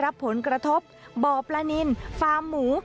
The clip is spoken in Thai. รับผลกระทบบ่อปลานินฟาร์มหมู